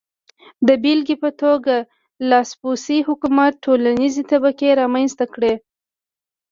د بېلګې په توګه لاسپوڅي حکومت ټولنیزې طبقې رامنځته کړې.